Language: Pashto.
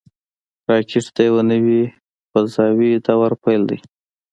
راکټ د یوه نوي فضاوي دور پیل دی